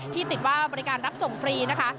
ที่ติดว่าบริการรับส่งฟรีนะคะ